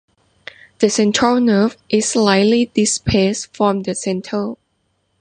The central nerve is slightly displaced from the center.